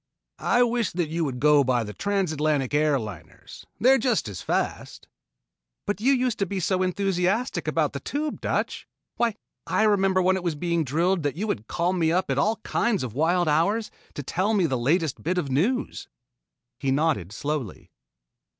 "I wish that you would go by the Trans Atlantic Air Liners. They are just as fast." "But you used to be so enthusiastic about the Tube, Dutch! Why I remember when it was being drilled that you would call me up at all kinds of wild hours to tell me the latest bits of news." He nodded slowly.